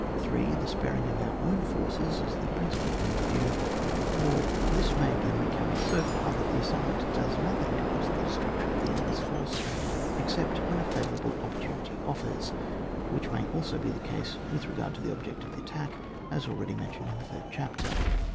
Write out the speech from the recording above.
8, the sparing of our own forces as the principal point of yiew. 4, this may again be carried so far, that the assailant does nothing towards the destruction of the enemy's force except when a favourable opportunity offers, which may also be the case with regard to the object of the attack, as already mentioned in the third chapter.